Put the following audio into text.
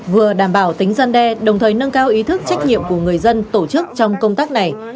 vừa đảm bảo tính dân đe đồng thời nâng cao ý thức trách nhiệm của người dân tổ chức trong công tác này